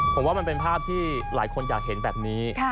ผมว่ามันเป็นภาพที่หลายคนอยากเห็นแบบนี้